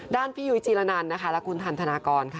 ราชฌานาคารคุณทันธณากรค่ะ